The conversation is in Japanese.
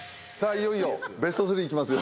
いよいよベスト３いきますよ。